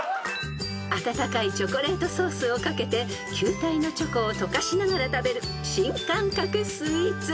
［温かいチョコレートソースを掛けて球体のチョコをとかしながら食べる新感覚スイーツ］